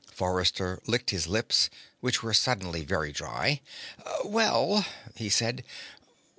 Forrester licked his lips, which were suddenly very dry. "Well," he said.